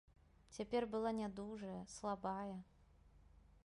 Цяпер была нядужая, слабая.